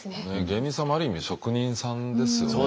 芸人さんもある意味職人さんですよね。